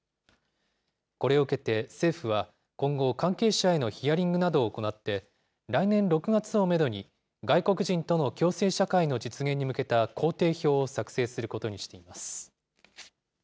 これを受けて政府は今後、関係者へのヒアリングなどを行って、来年６月をメドに、外国人との共生社会の実現に向けた工程表を作成することにしています。